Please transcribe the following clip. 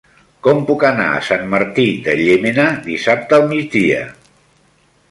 Com puc anar a Sant Martí de Llémena dissabte al migdia?